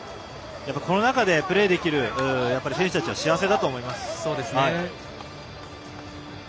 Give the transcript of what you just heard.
この中でプレーできる選手たちは幸せだと思います。